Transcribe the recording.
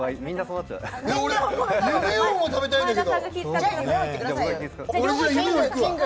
俺「夢王」も行きたいんだけど！